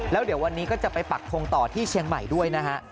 แล้วเดี๋ยววันนี้ก็จะไปปักทงต่อที่เชียงใหม่ด้วยนะฮะ